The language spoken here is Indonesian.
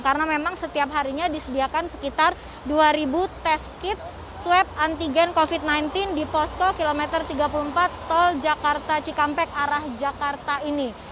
karena memang setiap harinya disediakan sekitar dua tes kit swab antigen covid sembilan belas di posko kilometer tiga puluh empat tol jakarta cikampek arah jakarta ini